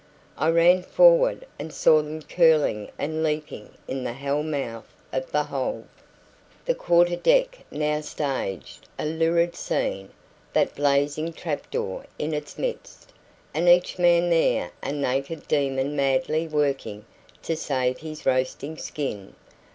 I ran forward, and saw them curling and leaping in the hell mouth of the hold. The quarter deck now staged a lurid scene: that blazing trap door in its midst; and each man there a naked demon madly working to save his roasting skin.